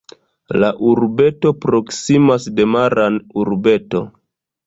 La urbeto proksimas de Maran urbeto.